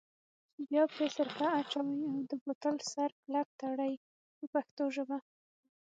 بیا پرې سرکه اچوئ او د بوتل سر کلک تړئ په پښتو ژبه.